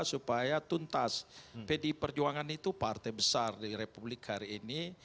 supaya tuntas pdi perjuangan itu partai besar di republik hari ini